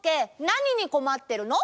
なににこまってるの？